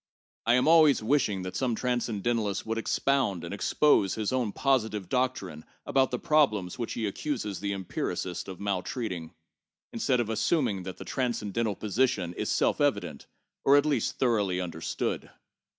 I am always wishing that some transcendentalist would expound and expose his own positive doctrine about the problems which he accuses the empiricist of maltreating, instead of assuming that the tran scendental position is self evident, or at least thoroughly understood.